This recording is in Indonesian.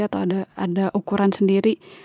atau ada ukuran sendiri